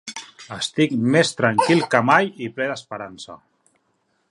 Estic més tranquil que mai i ple d'esperança.